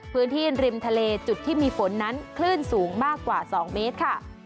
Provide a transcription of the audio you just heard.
พื้นที่ริมทะเลจุดที่มีฝนนั้นคลื่นสูงมากกว่า๒เมตรค่ะ